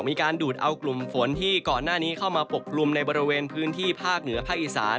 มีการดูดเอากลุ่มฝนที่ก่อนหน้านี้เข้ามาปกกลุ่มในบริเวณพื้นที่ภาคเหนือภาคอีสาน